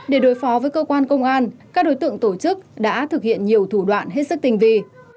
để đối phó với cơ quan công an các đối tượng tổ chức đã thực hiện nhiều thủ đoạn hết sức tinh vi